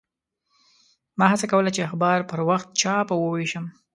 ما هڅه کوله چې اخبار پر وخت چاپ او ووېشم.